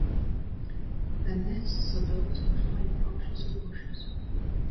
Their nests are built in high branches or bushes.